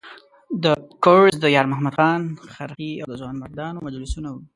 د کرز د یارمحمد خان خرخښې او د ځوانمردانو مجلسونه وو.